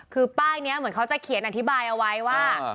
คือป้ายนี้เหมือนเขาจะเขียนอธิบายเอาไว้ว่า